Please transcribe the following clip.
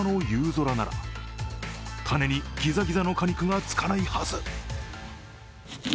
ぞらなら種にギザギザの果肉がつかないはず。